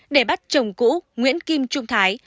để bắt chồng cũ nguyễn kim trung thái